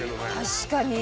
確かに。